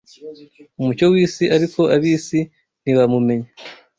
umucyo w’isi, ariko ab’isi ntibamumenya